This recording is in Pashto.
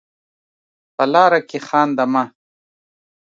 په لاره کې خانده مه.